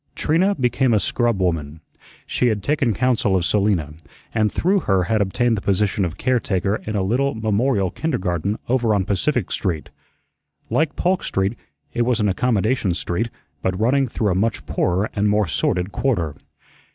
Trina became a scrub woman. She had taken council of Selina, and through her had obtained the position of caretaker in a little memorial kindergarten over on Pacific Street. Like Polk Street, it was an accommodation street, but running through a much poorer and more sordid quarter.